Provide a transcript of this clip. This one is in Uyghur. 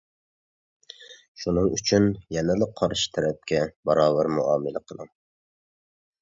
شۇنىڭ ئۈچۈن يەنىلا قارشى تەرەپكە باراۋەر مۇئامىلە قىلىڭ.